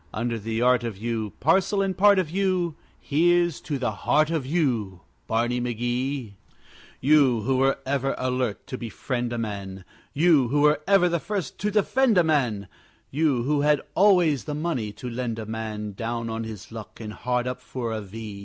Under the art of you, Parcel and part of you, Here's to the heart of you, Barney McGee! You who were ever alert to befriend a man, You who were ever the first to defend a man, You who had always the money to lend a man, Down on his luck and hard up for a V!